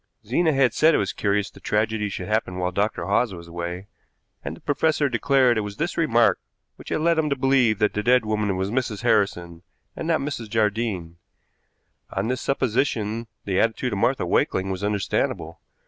Zena had said it was curious the tragedy should happen while Dr. Hawes was away, and the professor declared it was this remark which had led him to believe that the dead woman was Mrs. Harrison and not Mrs. Jardine. On this supposition the attitude of Martha Wakeling was understandable.